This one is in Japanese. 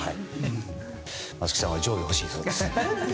松木さんは上下欲しいそうです。